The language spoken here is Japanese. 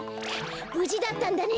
ぶじだったんだね！